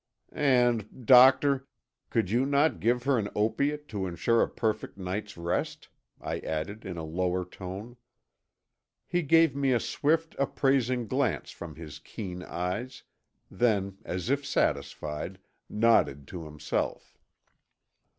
"And, Doctor, could you not give her an opiate to insure a perfect night's rest," I added in a lower tone. He gave me a swift appraising glance from his keen eyes, then as if satisfied, nodded to himself.